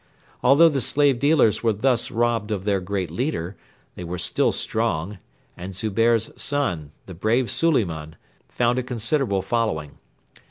Although the slave dealers were thus robbed of their great leader, they were still strong, and Zubehr's son, the brave Suliman, found a considerable following.